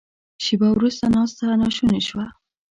شیبه وروسته ناسته ناشونې شوه.